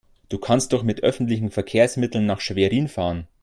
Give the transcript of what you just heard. Du kannst doch mit öffentlichen Verkehrsmitteln nach Schwerin fahren